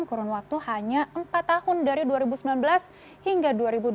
kurun waktu hanya empat tahun dari dua ribu sembilan belas hingga dua ribu dua puluh